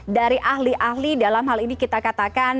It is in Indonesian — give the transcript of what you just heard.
dari ahli ahli dalam hal ini kita katakan